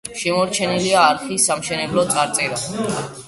შემორჩენილია არხის სამშენებლო წარწერა.